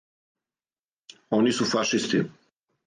Они су фашисти.